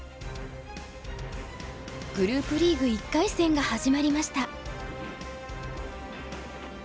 グループリーグ１回戦が始まりました。